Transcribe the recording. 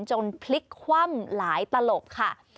พลิกคว่ำหลายตลบค่ะ